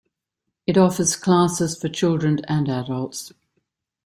It offers classes for children and adults.